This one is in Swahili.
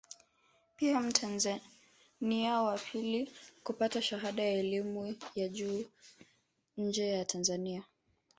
Pia mtanzania wa pili kupata shahada ya elimu ya juu nje ya Tanzania